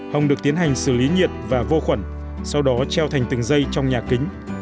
hồng được tiến hành xử lý nhiệt và vô khuẩn sau đó treo thành từng giây trong nhà kính